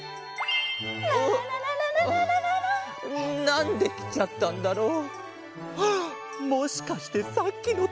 なんできちゃったんだろう。